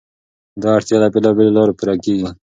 دا اړتیا له بېلابېلو لارو پوره کېږي.